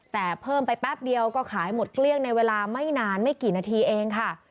แต่เพิ่มไปแป๊บเดียวก็ขายหมดเกลี้ยงในเวลาไม่นานไม่กี่นาทีเองค่ะ